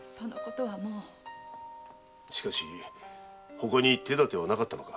ほかに手だてはなかったのか？